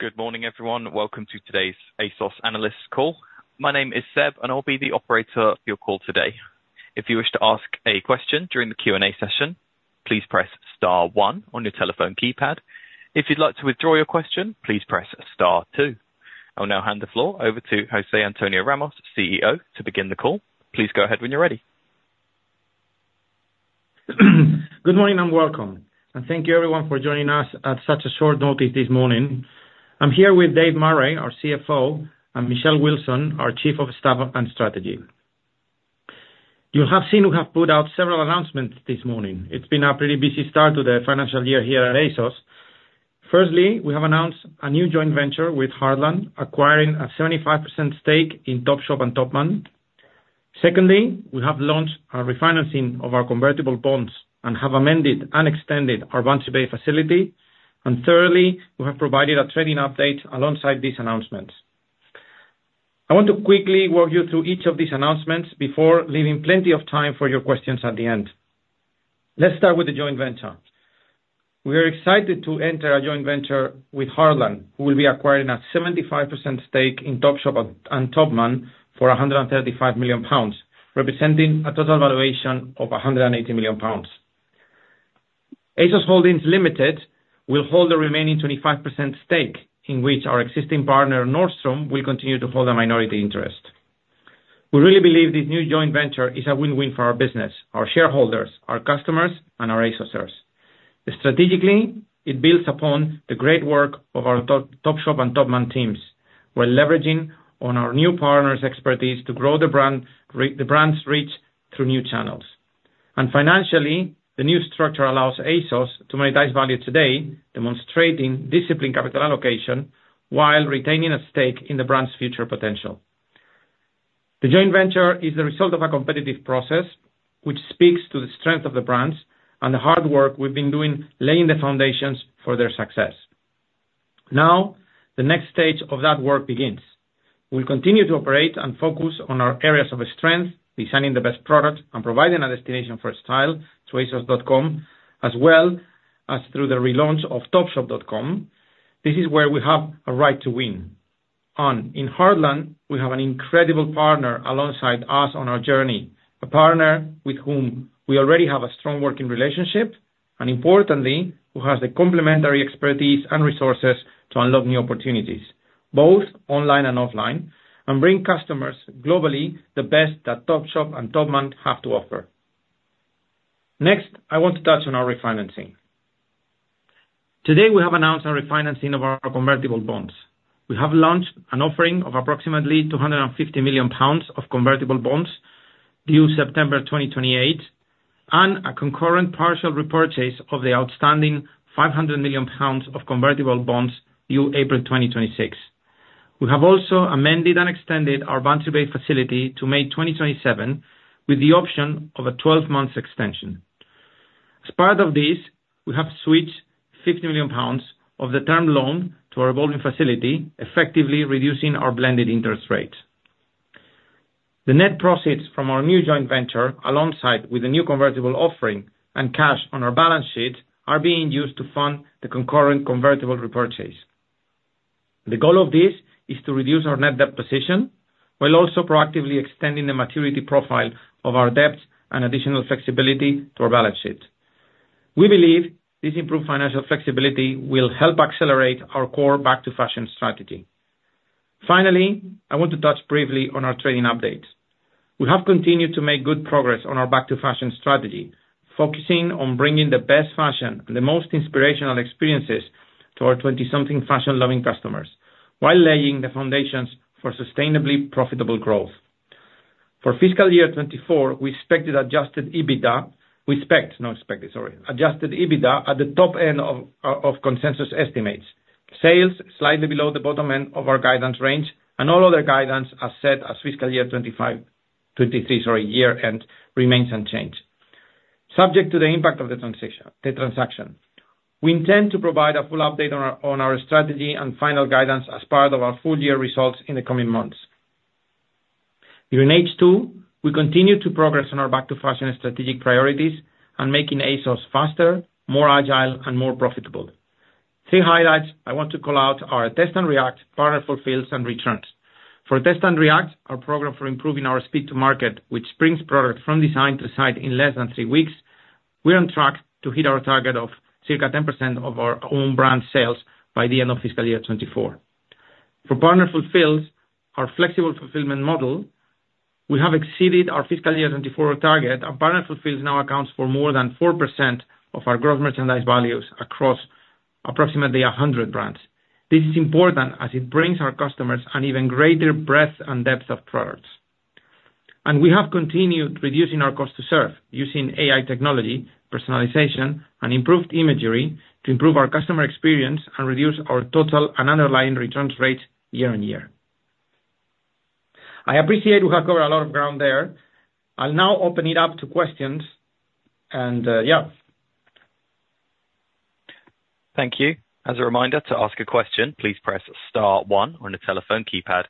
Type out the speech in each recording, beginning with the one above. Good morning, everyone. Welcome to today's ASOS analysts call. My name is Seb, and I'll be the operator of your call today. If you wish to ask a question during the Q&A session, please press star one on your telephone keypad. If you'd like to withdraw your question, please press star two. I'll now hand the floor over to José Antonio Ramos, CEO, to begin the call. Please go ahead when you're ready. Good morning, and welcome, and thank you everyone for joining us at such a short notice this morning. I'm here with Dave Murray, our CFO, and Michelle Wilson, our Chief of Staff and Strategy. You'll have seen we have put out several announcements this morning. It's been a pretty busy start to the financial year here at ASOS. Firstly, we have announced a new joint venture with Heartland, acquiring a 75% stake in Topshop and Topman. Secondly, we have launched our refinancing of our convertible bonds and have amended and extended our Bantry Bay facility. And thirdly, we have provided a trading update alongside these announcements. I want to quickly walk you through each of these announcements before leaving plenty of time for your questions at the end. Let's start with the joint venture. We are excited to enter a joint venture with Heartland, who will be acquiring a 75% stake in Topshop and Topman for 135 million pounds, representing a total valuation of 180 million pounds. ASOS Holdings Limited will hold the remaining 25% stake, in which our existing partner, Nordstrom, will continue to hold a minority interest. We really believe this new joint venture is a win-win for our business, our shareholders, our customers, and our ASOSers. Strategically, it builds upon the great work of our Topshop and Topman teams. We're leveraging on our new partner's expertise to grow the brand, the brand's reach through new channels and financially, the new structure allows ASOS to monetize value today, demonstrating disciplined capital allocation while retaining a stake in the brand's future potential. The joint venture is the result of a competitive process, which speaks to the strength of the brands and the hard work we've been doing, laying the foundations for their success. Now, the next stage of that work begins. We'll continue to operate and focus on our areas of strength, designing the best product and providing a destination for style through asos.com, as well as through the relaunch of topshop.com. This is where we have a right to win, and in Heartland, we have an incredible partner alongside us on our journey, a partner with whom we already have a strong working relationship, and importantly, who has the complementary expertise and resources to unlock new opportunities, both online and offline, and bring customers globally the best that Topshop and Topman have to offer. Next, I want to touch on our refinancing. Today, we have announced a refinancing of our convertible bonds. We have launched an offering of approximately 250 million pounds of convertible bonds due September 2028, and a concurrent partial repurchase of the outstanding 500 million pounds of convertible bonds due April 2026. We have also amended and extended our Bantry Bay facility to May 2027, with the option of a 12-month extension. As part of this, we have switched 50 million pounds of the term loan to our revolving facility, effectively reducing our blended interest rate. The net proceeds from our new joint venture, alongside with the new convertible offering and cash on our balance sheet, are being used to fund the concurrent convertible repurchase. The goal of this is to reduce our net debt position, while also proactively extending the maturity profile of our debt and additional flexibility to our balance sheet. We believe this improved financial flexibility will help accelerate our core back to fashion strategy. Finally, I want to touch briefly on our trading update. We have continued to make good progress on our back to fashion strategy, focusing on bringing the best fashion and the most inspirational experiences to our twenty-something fashion-loving customers, while laying the foundations for sustainably profitable growth. For fiscal year twenty-four, we expected Adjusted EBITDA. We expect, not expected, sorry, Adjusted EBITDA at the top end of consensus estimates. Sales slightly below the bottom end of our guidance range, and all other guidance as set as fiscal year twenty-five... twenty-three, sorry, year end, remains unchanged, subject to the impact of the transaction. We intend to provide a full update on our strategy and final guidance as part of our full year results in the coming months. During H2, we continue to progress on our Back to Fashion strategic priorities and making ASOS faster, more agile, and more profitable. Three highlights, I want to call out are Test and React, Partner Fulfills, and returns. For Test and React, our program for improving our speed to market, which brings product from design to site in less than three weeks, we're on track to hit our target of circa 10% of our own brand sales by the end of fiscal year twenty-four. For Partner Fulfills, our flexible fulfillment model, we have exceeded our fiscal year twenty-four target. Our Partner Fulfills now accounts for more than 4% of our gross merchandise values across approximately 100 brands. This is important as it brings our customers an even greater breadth and depth of products. And we have continued reducing our cost to serve using AI technology, personalization, and improved imagery to improve our customer experience and reduce our total and underlying returns rate year on year. I appreciate we have covered a lot of ground there. I'll now open it up to questions. Thank you. As a reminder, to ask a question, please press star one on your telephone keypad.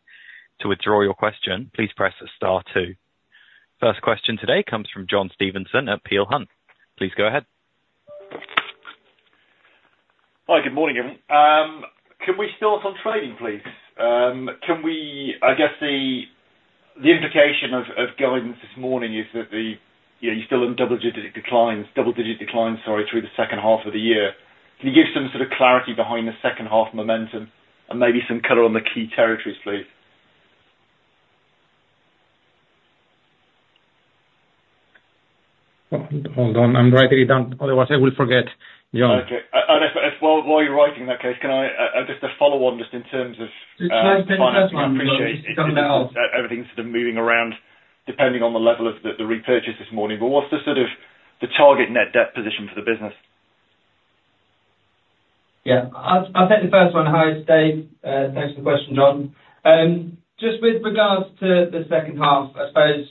To withdraw your question, please press star two. First question today comes from John Stevenson at Peel Hunt. Please go ahead. Hi, good morning, everyone. Can we start on trading, please? I guess the implication of guidance this morning is that, you know, you're still in double digit declines, double digit declines, sorry, through the second half of the year. Can you give some sort of clarity behind the second half momentum and maybe some color on the key territories, please? Hold on, I'm writing it down, otherwise I will forget, John. Okay. And if, while you're writing, in that case, can I just a follow on, just in terms of financing, I appreciate everything's sort of moving around, depending on the level of the repurchase this morning, but what's the sort of target net debt position for the business? Yeah, I'll take the first one. Hi, Dave, thanks for the question, John. Just with regards to the second half, I suppose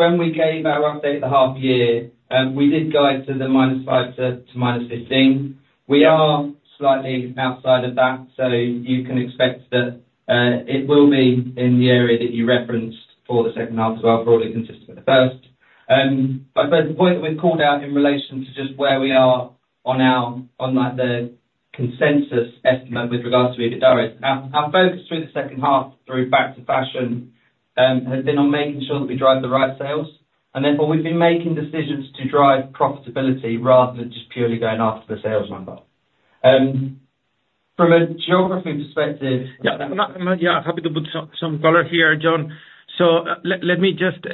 when we gave our update the half year, we did guide to the -5% to -15%. We are slightly outside of that, so you can expect that it will be in the area that you referenced for the second half as well, broadly consistent with the first. But there's a point that we've called out in relation to just where we are on, like, the consensus estimate with regards to EBITDA. Our focus through the second half, through Back to Fashion, has been on making sure that we drive the right sales. And then, but we've been making decisions to drive profitability rather than just purely going after the sales number. From a geography perspective- Yeah, happy to put some color here, John. So let me just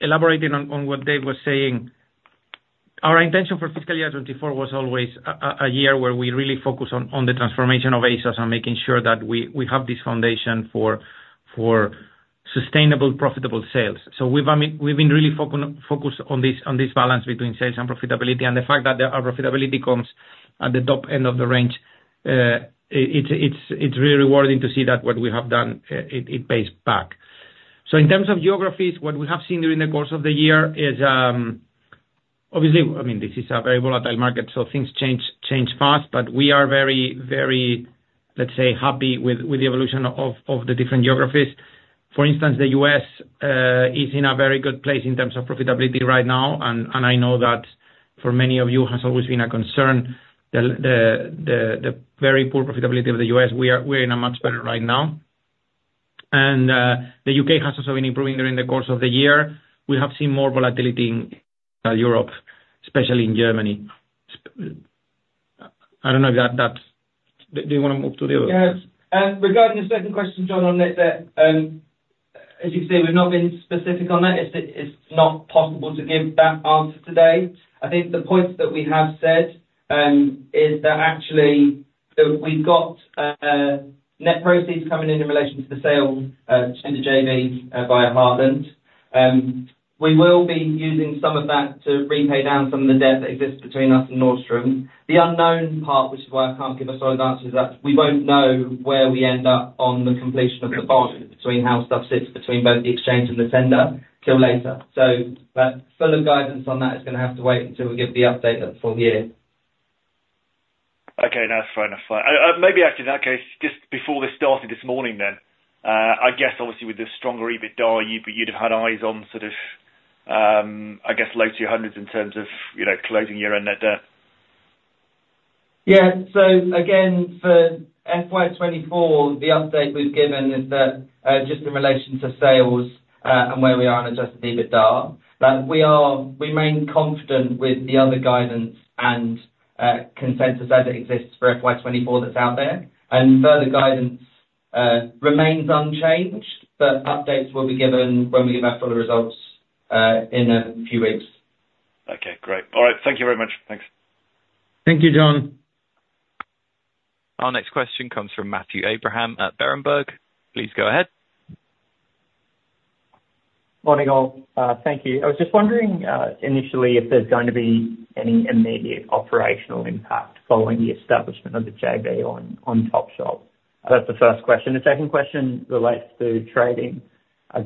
elaborate on what Dave was saying. Our intention for fiscal year twenty-four was always a year where we really focus on the transformation of ASOS and making sure that we have this foundation for sustainable, profitable sales. So we've, I mean, we've been really focused on this balance between sales and profitability, and the fact that our profitability comes at the top end of the range, it's really rewarding to see that what we have done, it pays back. So in terms of geographies, what we have seen during the course of the year is, obviously, I mean, this is a very volatile market, so things change fast. But we are very, very, let's say, happy with, with the evolution of, of the different geographies. For instance, the U.S. is in a very good place in terms of profitability right now. And, and I know that for many of you, has always been a concern, the, the, the, the very poor profitability of the U.S., we're in a much better right now. And, the U.K. has also been improving during the course of the year. We have seen more volatility in, Europe, especially in Germany. I don't know if that. Do you want to move to the other? Yes. Regarding the second question, John, on net debt, as you can see, we've not been specific on that. It's not possible to give that answer today. I think the point that we have said is that actually, so we've got net proceeds coming in in relation to the sale to the JV via Heartland. We will be using some of that to repay down some of the debt that exists between us and Nordstrom. The unknown part, which is why I can't give a solid answer, is that we won't know where we end up on the completion of the bond exchange and the tender till later. So but full guidance on that is gonna have to wait until we give the full year update. Okay, that's fair enough. Maybe actually, in that case, just before this started this morning then, I guess obviously with the stronger EBITDA, you, you'd have had eyes on sort of, I guess, low two hundreds in terms of, you know, closing year-end net debt. Yeah. So again, for FY 2024, the update we've given is that just in relation to sales and where we are on Adjusted EBITDA, that we remain confident with the other guidance and consensus as it exists for FY 2024 that's out there, and further guidance remains unchanged, but updates will be given when we give our full results in a few weeks. Okay, great. All right. Thank you very much. Thanks. Thank you, John. Our next question comes from Matthew Abraham at Berenberg. Please go ahead. Morning, all. Thank you. I was just wondering, initially, if there's going to be any immediate operational impact following the establishment of the JV on Topshop? That's the first question. The second question relates to trading.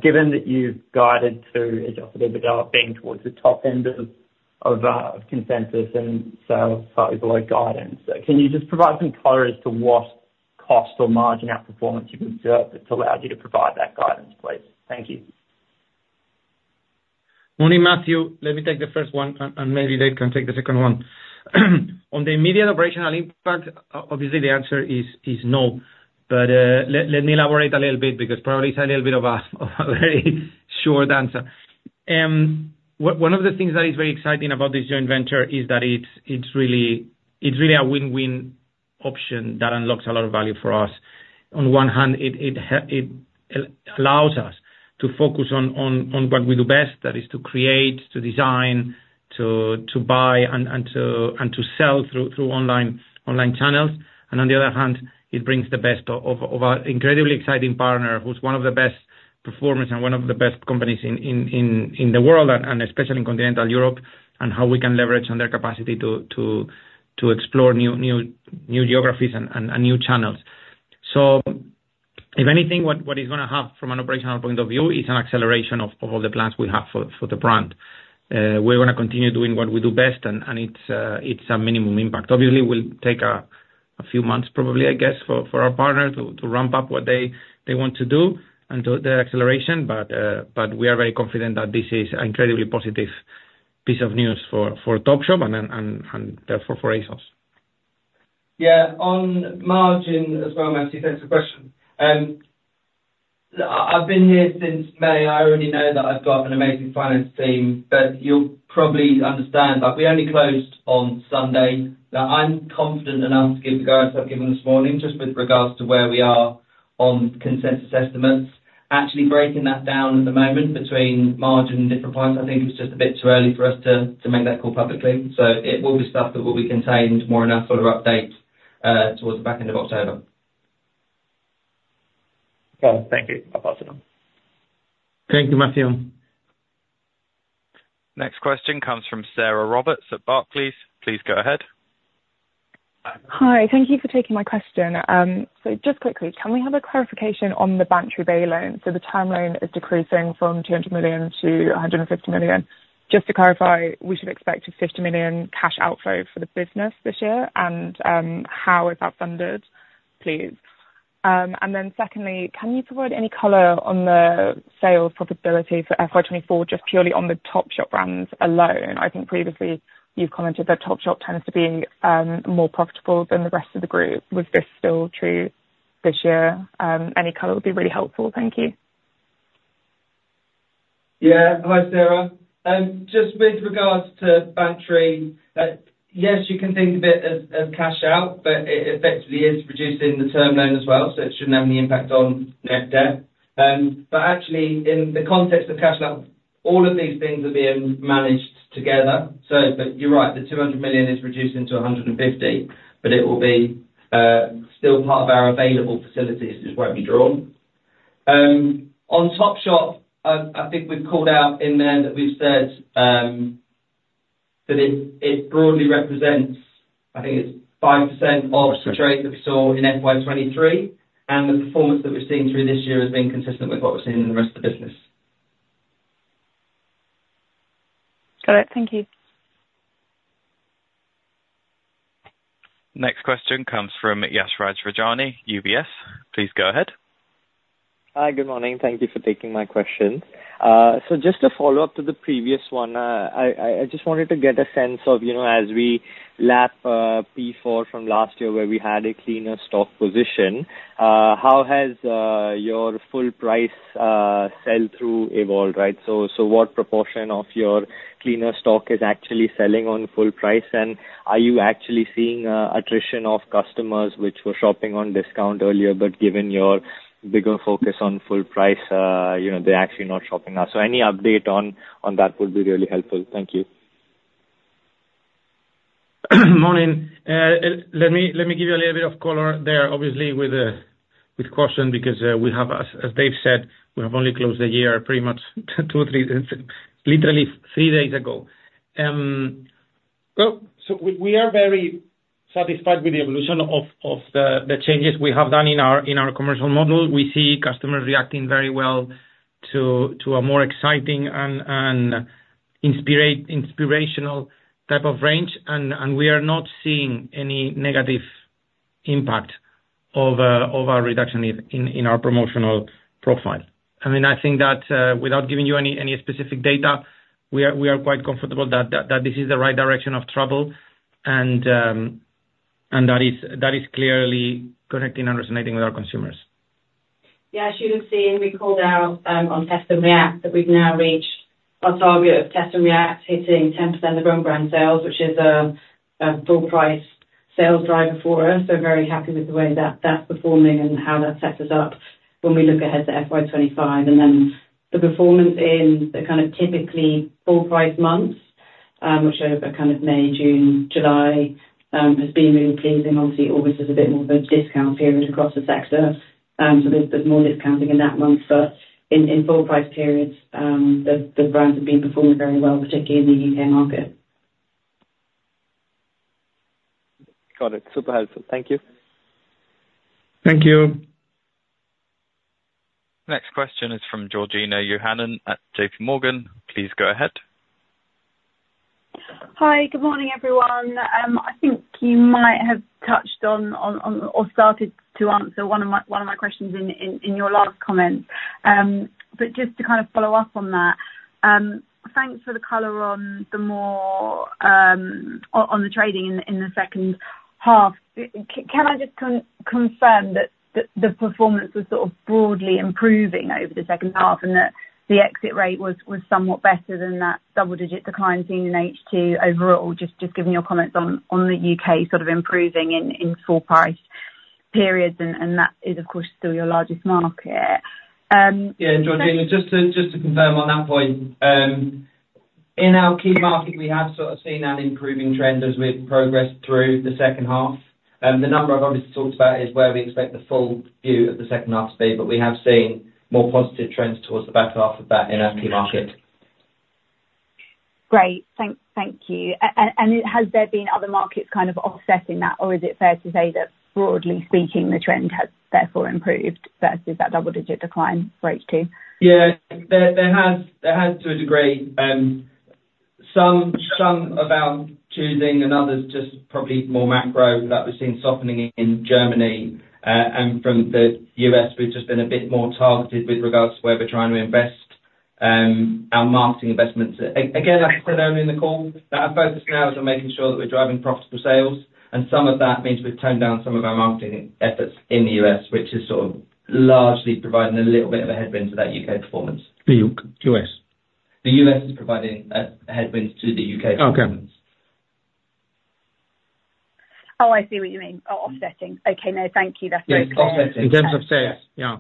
Given that you've guided to Adjusted EBITDA being towards the top end of consensus and sales slightly below guidance, can you just provide some color as to what cost or margin outperformance you can observe that's allowed you to provide that guidance, please? Thank you. Morning, Matthew. Let me take the first one, and maybe Dave can take the second one. On the immediate operational impact, obviously, the answer is no. But let me elaborate a little bit because probably it's a little bit of a very short answer. One of the things that is very exciting about this joint venture is that it's really a win-win option that unlocks a lot of value for us. On one hand, it allows us to focus on what we do best, that is to create, to design, to buy, and to sell through online channels. And on the other hand, it brings the best of a incredibly exciting partner who's one of the best performers and one of the best companies in the world, and especially in continental Europe, and how we can leverage on their capacity to explore new geographies and new channels. So if anything, what it's gonna have from an operational point of view, is an acceleration of all the plans we have for the brand. We're gonna continue doing what we do best, and it's a minimum impact. Obviously, it will take a few months, probably, I guess, for our partner to ramp up what they want to do and do their acceleration, but we are very confident that this is an incredibly positive piece of news for Topshop, and therefore for ASOS. Yeah, on margin as well, Matthew, thanks for the question. I've been here since May, I already know that I've got an amazing finance team, but you'll probably understand, like, we only closed on Sunday. Now, I'm confident enough to give the guidance I've given this morning, just with regards to where we are on consensus estimates. Actually breaking that down at the moment between margin and different points, I think it's just a bit too early for us to make that call publicly. So it will be stuff that will be contained more in our fuller update towards the back end of October. Thank you. I'll pass it on. Thank you, Matthew. Next question comes from Sarah Roberts at Barclays. Please go ahead. Hi, thank you for taking my question. So just quickly, can we have a clarification on the Bantry Bay loan? So the term loan is decreasing from 200 million to 150 million. Just to clarify, we should expect a 50 million cash outflow for the business this year, and, how is that funded, please? And then secondly, can you provide any color on the sales profitability for FY 2024, just purely on the Topshop brands alone? I think previously, you've commented that Topshop tends to be, more profitable than the rest of the group. Was this still true this year? Any color would be really helpful. Thank you. Yeah. Hi, Sarah. Just with regards to Bantry Bay, yes, you can think of it as, as cash out, but it effectively is reducing the term loan as well, so it shouldn't have any impact on net debt. But actually, in the context of cash flow, all of these things are being managed together. But you're right, the 200 million is reducing to 150 million, but it will be still part of our available facilities, it just won't be drawn. On Topshop, I think we've called out in there that we've said that it broadly represents, I think it's 5% of the trade that we saw in FY 2023, and the performance that we're seeing through this year has been consistent with what we're seeing in the rest of the business. Got it. Thank you. Next question comes from Yashraj Rajani, UBS. Please go ahead. Hi, good morning. Thank you for taking my question. So just a follow-up to the previous one. I just wanted to get a sense of, you know, as we lap, P4 from last year, where we had a cleaner stock position, how has your full price sell-through evolved, right? So what proportion of your cleaner stock is actually selling on full price, and are you actually seeing attrition of customers which were shopping on discount earlier, but given your bigger focus on full price, you know, they're actually not shopping now? So any update on that would be really helpful. Thank you. Morning. Let me give you a little bit of color there, obviously with caution, because, as Dave said, we have only closed the year pretty much two or three days, literally three days ago. Well, so we are very satisfied with the evolution of the changes we have done in our commercial model. We see customers reacting very well to a more exciting and inspirational type of range, and we are not seeing any negative impact of our reduction in our promotional profile. I mean, I think that, without giving you any specific data, we are quite comfortable that this is the right direction of travel, and that is clearly connecting and resonating with our consumers. Yeah, as you have seen, we called out, on Test and React, that we've now reached our target of Test and React, hitting 10% of own brand sales, which is, a full price sales driver for us. So very happy with the way that that's performing and how that sets us up when we look ahead to FY 2025. And then the performance in the kind of typically full price months, which are kind of May, June, July, has been really pleasing. Obviously, August is a bit more of a discount period across the sector, so there's more discounting in that month. But in full price periods, the brands have been performing very well, particularly in the U.K. market. Got it. Super helpful. Thank you. Thank you. Next question is from Georgina Johanan at J.P. Morgan. Please go ahead. Hi, good morning, everyone. I think you might have touched on or started to answer one of my questions in your last comments. But just to kind of follow up on that, on the trading in the second half. Can I just confirm that the performance was sort of broadly improving over the second half, and that the exit rate was somewhat better than that double-digit decline seen in H2 overall, just given your comments on the UK sort of improving in full price periods, and that is, of course, still your largest market? Yeah, Georgina, just to confirm on that point, in our key market, we have sort of seen an improving trend as we've progressed through the second half. The number I've obviously talked about is where we expect the full view of the second half to be, but we have seen more positive trends towards the back half of that in our key market. Great. Thank you, and has there been other markets kind of offsetting that, or is it fair to say that broadly speaking, the trend has therefore improved versus that double-digit decline for H2? Yeah, there has to a degree. Some about choosing and others just probably more macro that we're seeing softening in Germany. And from the U.S., we've just been a bit more targeted with regards to where we're trying to invest our marketing investments. Again, like I said earlier in the call, our focus now is on making sure that we're driving profitable sales, and some of that means we've toned down some of our marketing efforts in the U.S., which is sort of largely providing a little bit of a headwind to that U.K. performance. The U.K. - U.S.? The U.S. is providing a headwind to the U.K. performance. Okay. Oh, I see what you mean. Oh, offsetting. Okay, no, thank you. That's very clear. Yes, offsetting. In terms of sales. Yes.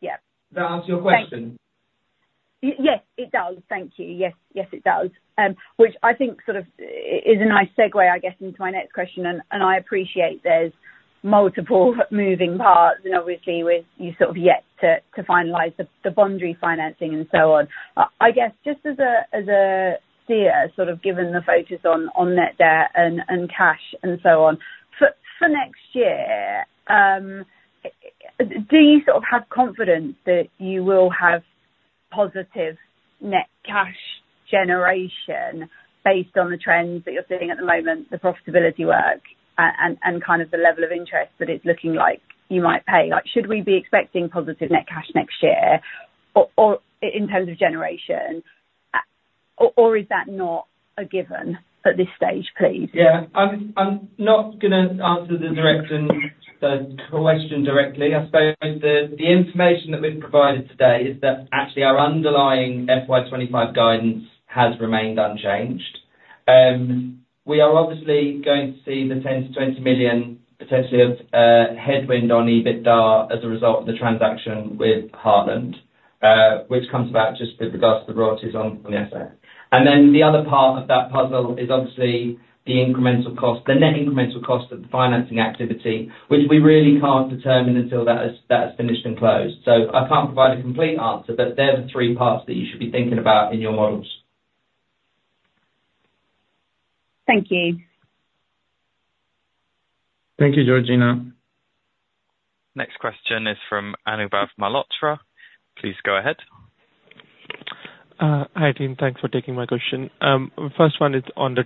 Yeah. Does that answer your question? Yes, it does. Thank you. Yes. Yes, it does. Which I think sort of is a nice segue, I guess, into my next question, and I appreciate there's multiple moving parts, and obviously with you sort of yet to finalize the bond refinancing and so on. I guess, just as a theory, sort of given the focus on net debt and cash and so on, for next year, do you sort of have confidence that you will have positive net cash generation based on the trends that you're seeing at the moment, the profitability work, and kind of the level of interest that it's looking like you might pay? Like, should we be expecting positive net cash next year, or in terms of generation, or is that not a given at this stage, please? Yeah. I'm not gonna answer the direction of the question directly. I suppose the information that we've provided today is that actually our underlying FY 2025 guidance has remained unchanged. We are obviously going to see the 10 million-20 million potentially of headwind on EBITDA as a result of the transaction with Heartland, which comes back just with regards to the royalties on the JV. And then the other part of that puzzle is obviously the incremental cost, the net incremental cost of the financing activity, which we really can't determine until that is finished and closed. So I can't provide a complete answer, but there are the three parts that you should be thinking about in your models. Thank you. Thank you, Georgina. Next question is from Anubhav Malhotra. Please go ahead. Hi, team. Thanks for taking my question. First one is on the...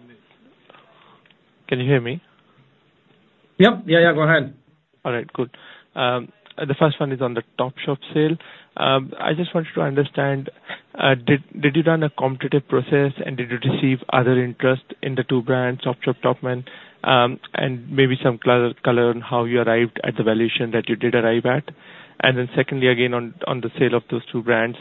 Can you hear me? Yep. Yeah, yeah, go ahead. All right, good. The first one is on the Topshop sale. I just wanted to understand, did you run a competitive process, and did you receive other interest in the two brands, Topshop, Topman, and maybe some color on how you arrived at the valuation that you did arrive at, and then secondly, again, on the sale of those two brands,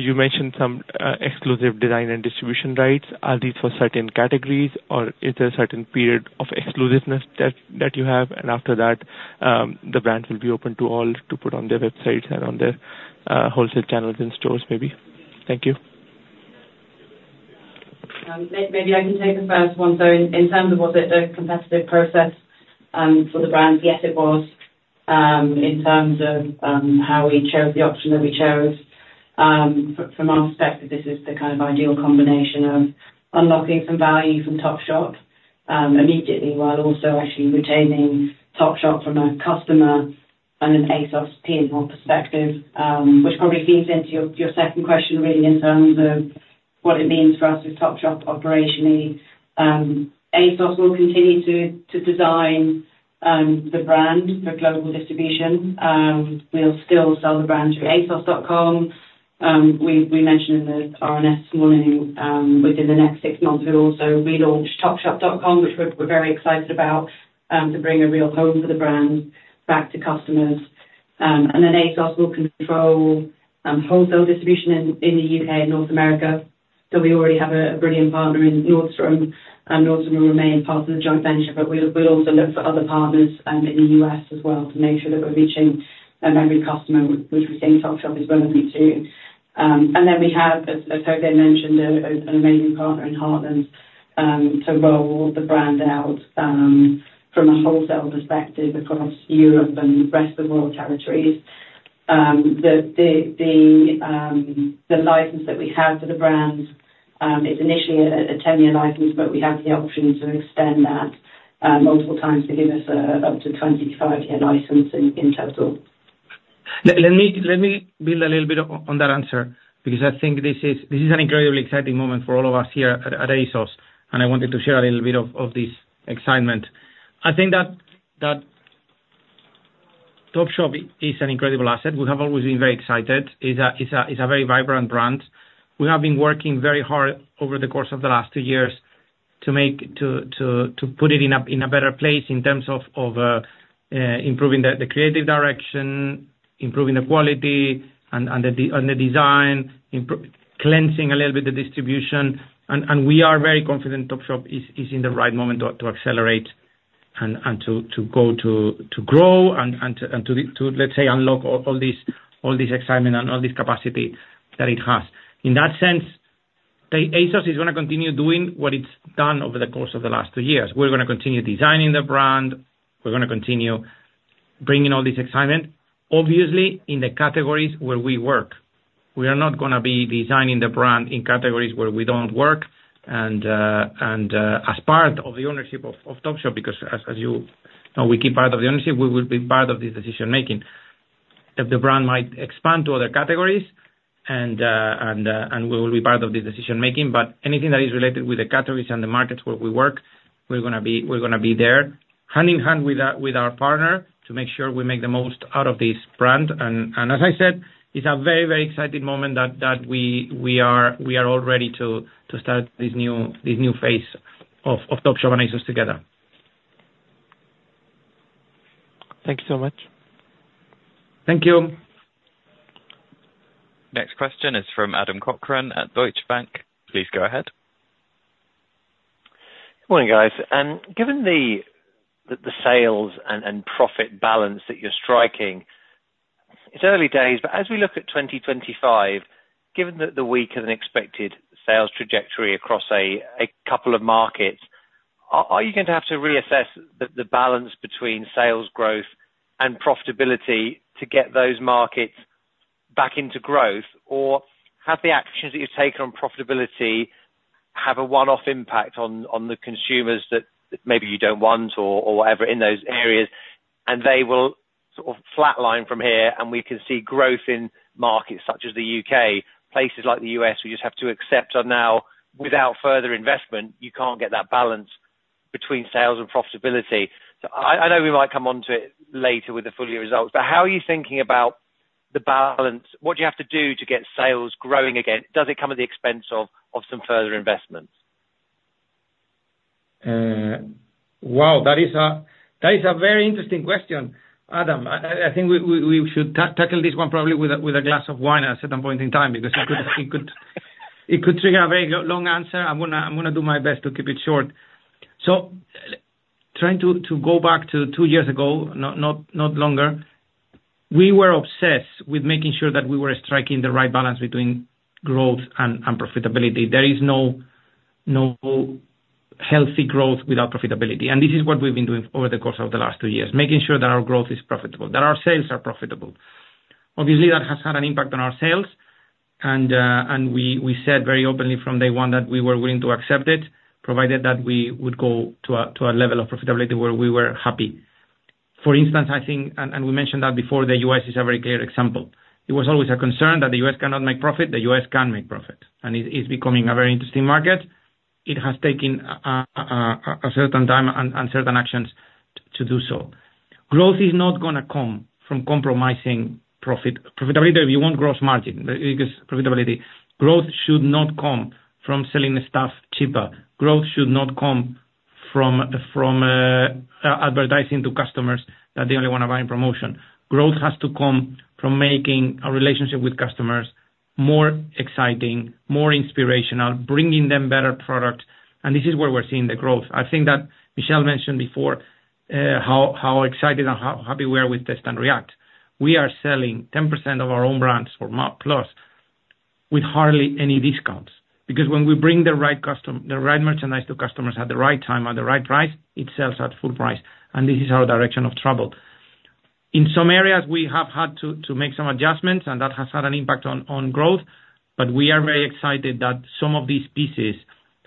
you mentioned some exclusive design and distribution rights. Are these for certain categories, or is there a certain period of exclusiveness that you have, and after that, the brands will be open to all to put on their websites and on their wholesale channels and stores, maybe? Thank you. Maybe I can take the first one. So in terms of was it a competitive process for the brands? Yes, it was. In terms of how we chose the option that we chose, from our perspective, this is the kind of ideal combination of unlocking some value from Topshop immediately, while also actually retaining Topshop from a customer and an ASOS peer perspective, which probably feeds into your second question really in terms of what it means for us with Topshop operationally. ASOS will continue to design the brand for global distribution. We'll still sell the brand through asos.com. We mentioned in the RNS this morning, within the next six months, we'll also relaunch topshop.com, which we're very excited about, to bring a real home for the brand back to customers. And then ASOS will control wholesale distribution in the U.K. and North America. So we already have a brilliant partner in Nordstrom, and Nordstrom will remain part of the joint venture, but we'll also look for other partners in the US as well, to make sure that we're reaching every customer which we think Topshop is relevant to. And then we have, as Jorge mentioned, an amazing partner in Heartland, to roll the brand out, from a wholesale perspective across Europe and the rest of the world territories. The license that we have for the brands, it's initially a 10 year license, but we have the option to extend that multiple times to give us up to a 25 year license in total. Let me build a little bit on that answer, because I think this is an incredibly exciting moment for all of us here at ASOS, and I wanted to share a little bit of this excitement. I think that Topshop is an incredible asset. We have always been very excited. It's a very vibrant brand. We have been working very hard over the course of the last two years to put it in a better place in terms of improving the creative direction, improving the quality and the design, cleansing a little bit the distribution, and we are very confident Topshop is in the right moment to accelerate and to go to grow and to, let's say, unlock all this excitement and all this capacity that it has. In that sense, ASOS is gonna continue doing what it's done over the course of the last two years. We're gonna continue designing the brand, we're gonna continue bringing all this excitement, obviously, in the categories where we work. We are not gonna be designing the brand in categories where we don't work, and as part of the ownership of Topshop, because as you know, we keep part of the ownership, we will be part of this decision-making. If the brand might expand to other categories, and we will be part of the decision making. But anything that is related with the categories and the markets where we work, we're gonna be there, hand-in-hand with our partner, to make sure we make the most out of this brand. And as I said, it's a very, very exciting moment that we are all ready to start this new phase of Topshop and ASOS together. Thank you so much. Thank you. Next question is from Adam Cochrane at Deutsche Bank. Please go ahead. Good morning, guys. Given the sales and profit balance that you're striking, it's early days, but as we look at twenty twenty-five, given that the weaker than expected sales trajectory across a couple of markets, are you going to have to reassess the balance between sales growth and profitability to get those markets back into growth? Or have the actions that you've taken on profitability have a one-off impact on the consumers that maybe you don't want or whatever, in those areas, and they will sort of flatline from here, and we can see growth in markets such as the U.K. Places like the U.S., we just have to accept are now, without further investment, you can't get that balance between sales and profitability. So I know we might come onto it later with the full year results, but how are you thinking about the balance? What do you have to do to get sales growing again? Does it come at the expense of some further investments? Wow, that is a very interesting question, Adam. I think we should tackle this one probably with a glass of wine at a certain point in time, because it could trigger a very long answer. I'm gonna do my best to keep it short. Trying to go back to two years ago, not longer, we were obsessed with making sure that we were striking the right balance between growth and profitability. There is no healthy growth without profitability, and this is what we've been doing over the course of the last two years, making sure that our growth is profitable, that our sales are profitable. Obviously, that has had an impact on our sales, and we said very openly from day one that we were willing to accept it, provided that we would go to a level of profitability where we were happy. For instance, I think, and we mentioned that before, the U.S. is a very clear example. It was always a concern that the U.S. cannot make profit. The U.S. can make profit, and it is becoming a very interesting market. It has taken a certain time and certain actions to do so. Growth is not gonna come from compromising profit, profitability. If you want gross margin, because profitability, growth should not come from selling the stuff cheaper. Growth should not come from advertising to customers that they only want to buy in promotion. Growth has to come from making a relationship with customers more exciting, more inspirational, bringing them better products, and this is where we're seeing the growth. I think that Michelle mentioned before, how excited and how happy we are with Test and React. We are selling 10% of our own brands or more plus, with hardly any discounts. Because when we bring the right merchandise to customers at the right time, at the right price, it sells at full price, and this is our direction of travel. In some areas, we have had to make some adjustments, and that has had an impact on growth, but we are very excited that some of these pieces,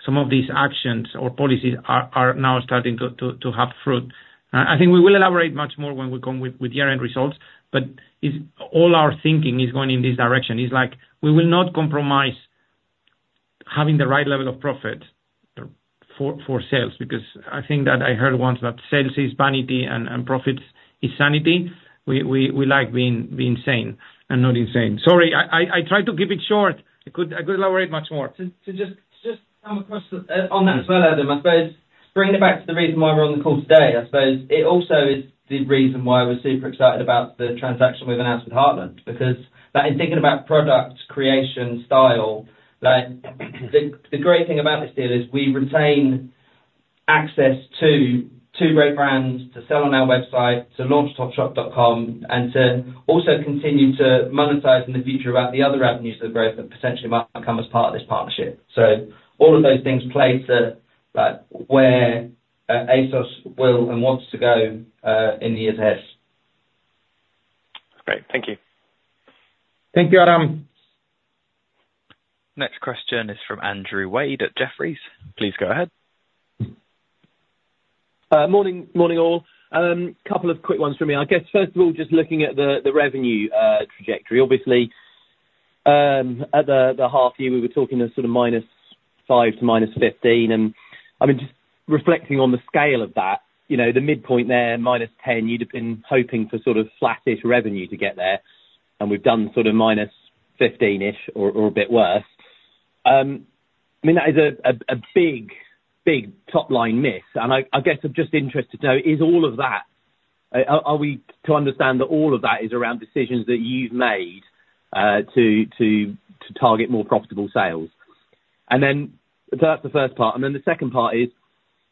some of these actions or policies are now starting to have fruit. I think we will elaborate much more when we come with year-end results, but... All our thinking is going in this direction. It's like, we will not compromise having the right level of profit for sales, because I think that I heard once that sales is vanity and profit is sanity. We like being sane and not insane. Sorry, I tried to keep it short. I could elaborate much more. To just come across on that as well, Adam, I suppose, bringing it back to the reason why we're on the call today, I suppose it also is the reason why we're super excited about the transaction we've announced with Heartland, because that in thinking about product, creation, style, like, the great thing about this deal is we retain access to two great brands to sell on our website, to launch topshop.com, and to also continue to monetize in the future about the other avenues of growth that potentially might come as part of this partnership. So all of those things play to, like, where ASOS will and wants to go in the years ahead. Great. Thank you. Thank you, Adam. Next question is from Andrew Wade at Jefferies. Please go ahead. Morning, morning, all. Couple of quick ones from me. I guess, first of all, just looking at the revenue trajectory, obviously, at the half year, we were talking of sort of minus five to minus fifteen, and I mean, just reflecting on the scale of that, you know, the midpoint there, minus ten, you'd have been hoping for sort of flattish revenue to get there, and we've done sort of minus fifteen-ish or a bit worse. I mean, that is a big, big top-line miss, and I guess I'm just interested to know, is all of that... Are we to understand that all of that is around decisions that you've made to target more profitable sales? And then, that's the first part, and then the second part is,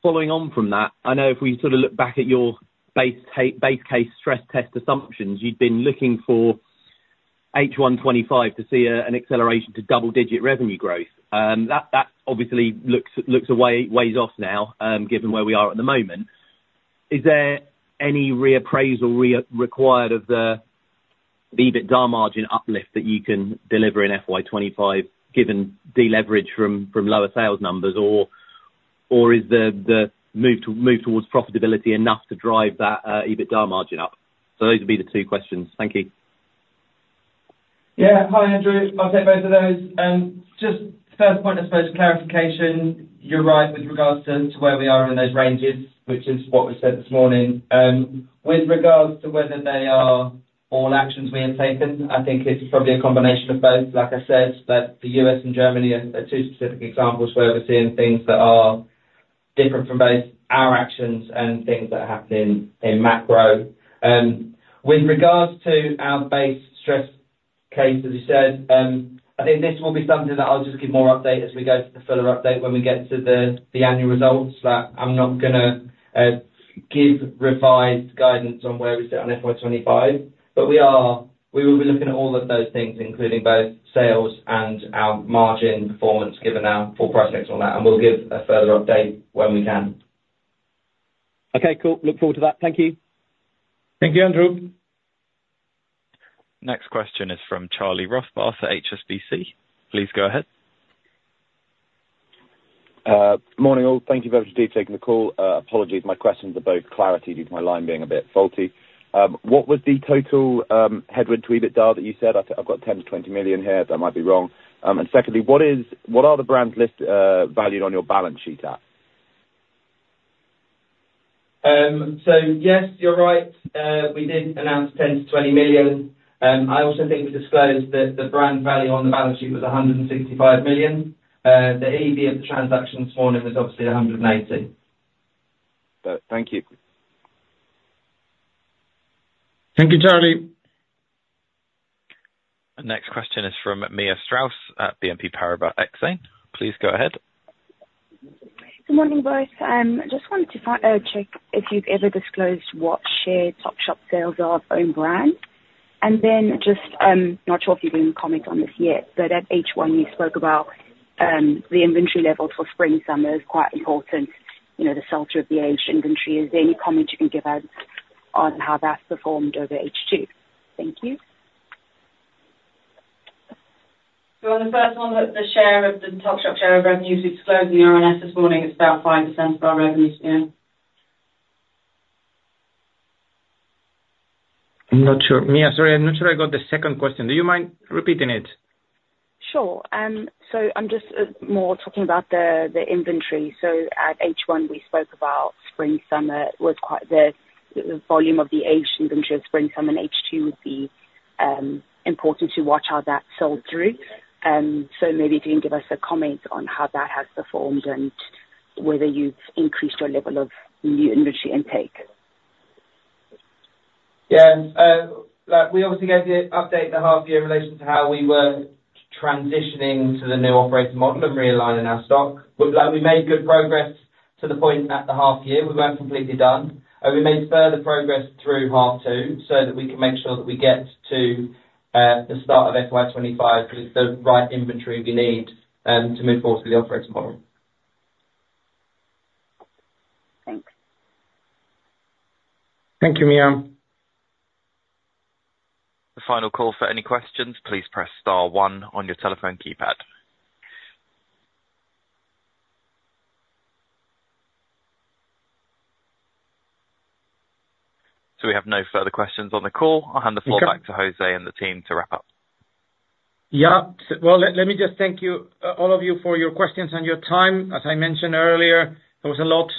following on from that, I know if we sort of look back at your base case stress test assumptions, you'd been looking for H1 2025 to see an acceleration to double-digit revenue growth. That obviously looks a ways off now, given where we are at the moment. Is there any reappraisal required of the EBITDA margin uplift that you can deliver in FY 2025, given deleverage from lower sales numbers? Or is the move towards profitability enough to drive that EBITDA margin up? So those would be the two questions. Thank you. Yeah. Hi, Andrew. I'll take both of those. Just first point, I suppose clarification, you're right with regards to to where we are in those ranges, which is what we said this morning. With regards to whether they are all actions we have taken, I think it's probably a combination of both. Like I said, that the U.S. and Germany are are two specific examples where we're seeing things that are different from both our actions and things that are happening in macro. With regards to our base stress case, as you said, I think this will be something that I'll just give more update as we go to the fuller update when we get to the the annual results. But I'm not gonna give revised guidance on where we sit on FY 2025. But we will be looking at all of those things, including both sales and our margin performance, given our full price mix on that, and we'll give a further update when we can. Okay, cool. Look forward to that. Thank you. Thank you, Andrew. Next question is from Charlie Rothbarth at HSBC. Please go ahead. Morning, all. Thank you very much indeed for taking the call. Apologies, my questions are both for clarity, due to my line being a bit faulty. What was the total headwind to EBITDA that you said? I've got 10 million-20 million here, but I might be wrong. And secondly, what are the brands listed valued at on your balance sheet? Yes, you're right. We did announce 10 million-20 million. I also think we disclosed that the brand value on the balance sheet was 165 million. The EV of the transaction this morning was obviously 180 million. Thank you. Thank you, Charlie. The next question is from Mia Strauss at BNP Paribas Exane. Please go ahead. Good morning, guys. Just wanted to find out, check if you've ever disclosed what share of Topshop sales are own brand? And then just, not sure if you're going to comment on this yet, but at H1, you spoke about, the inventory level for spring/summer is quite important, you know, the health of the aged inventory. Is there any comment you can give us on how that's performed over H2? Thank you. On the first one, the share of the Topshop share of revenues disclosed in the RNS this morning is about 5% of our revenues. Yeah. I'm not sure. Mia, sorry, I'm not sure I got the second question. Do you mind repeating it? Sure. So I'm just more talking about the inventory. So at H1, we spoke about spring/summer was quite the volume of the aged inventory of spring/summer, and H2 would be important to watch how that sold through. So maybe if you can give us a comment on how that has performed and whether you've increased your level of new inventory intake. Yeah. Like, we obviously gave the update the half year in relation to how we were transitioning to the new operating model and realigning our stock. But, like, we made good progress to the point at the half year, we weren't completely done. And we made further progress through half two, so that we can make sure that we get to the start of FY 2025 with the right inventory we need to move forward with the operating model. Thanks. Thank you, Mia. The final call for any questions, please press star one on your telephone keypad. So we have no further questions on the call. Okay. I'll hand the floor back to José and the team to wrap up. Yeah. Well, let me just thank you all of you for your questions and your time. As I mentioned earlier, there was a lot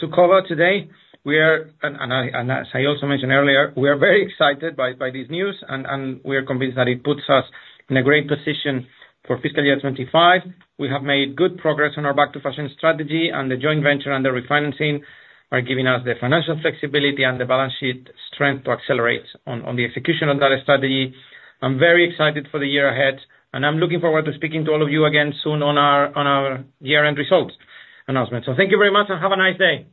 to cover today. As I also mentioned earlier, we are very excited by this news, and we are convinced that it puts us in a great position for fiscal year 2025. We have made good progress on our Back to Fashion strategy, and the joint venture and the refinancing are giving us the financial flexibility and the balance sheet strength to accelerate on the execution of that strategy. I'm very excited for the year ahead, and I'm looking forward to speaking to all of you again soon on our year-end results announcement. So thank you very much, and have a nice day.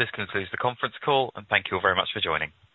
This concludes the conference call, and thank you all very much for joining.